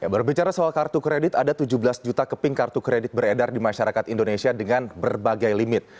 berbicara soal kartu kredit ada tujuh belas juta keping kartu kredit beredar di masyarakat indonesia dengan berbagai limit